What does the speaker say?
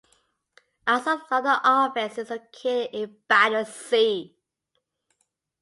Alsop's London office is located in Battersea.